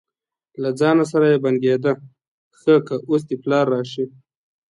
له ځانه سره یې بنګېده: ښه که اوس دې پلار راشي.